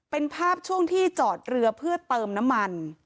เป็นภาพช่วงที่จอดเรือเพื่อเติมน้ำมัน